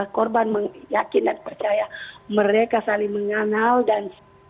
korban yakin dan percaya mereka saling mengenal dan